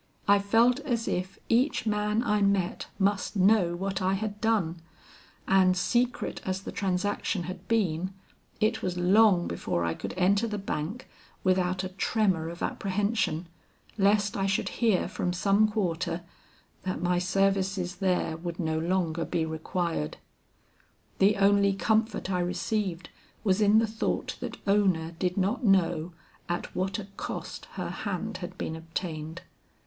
I felt as if each man I met must know what I had done; and secret as the transaction had been, it was long before I could enter the bank without a tremor of apprehension lest I should hear from some quarter, that my services there would no longer be required. The only comfort I received was in the thought that Ona did not know at what a cost her hand had been obtained.